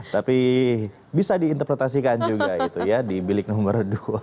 tapi bisa diinterpretasikan juga gitu ya di bilik nomor dua